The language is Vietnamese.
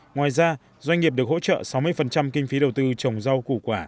ngoài ra doanh nghiệp được hỗ trợ sáu mươi kinh phí đầu tư trồng rau củ quả